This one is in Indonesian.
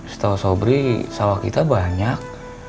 setahu sobri sawah kita banyak